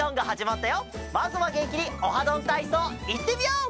まずはげんきに「オハどんたいそう」いってみよう！